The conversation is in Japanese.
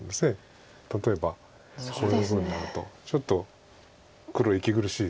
例えばこういうふうになるとちょっと黒息苦しいです。